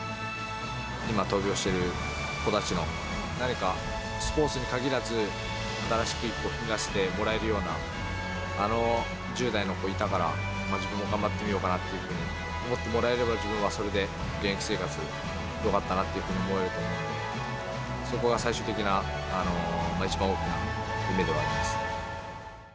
今、闘病している子どもたちの何かスポーツに限らず、新しく一歩踏み出してもらえるような、あの１０代の子がいたから自分も頑張ってみようかなっていうふうに思ってもらえれば自分はそれで現役生活よかったなというふうに思えると思うんで、そこが最終的な一番大きな夢ではあります。